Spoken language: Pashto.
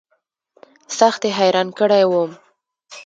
سخت يې حيران کړى وم.